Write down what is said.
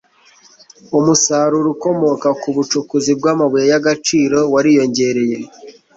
umusaruro ukomoka ku bucukuzi bw'amabuye y'agaciro wariyongereye